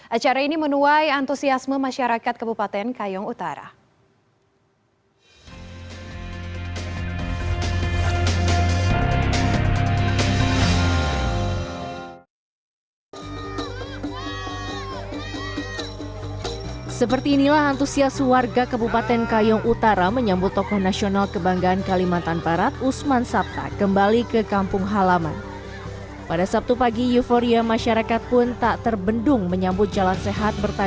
acara ini menuai antusiasme masyarakat kebupaten kayong utara